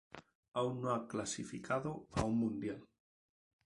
Aún no ha clasificado a un mundial.